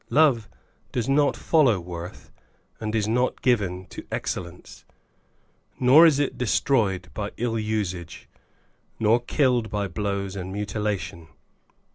Love does not follow worth, and is not given to excellence; nor is it destroyed by ill usage, nor killed by blows and mutilation.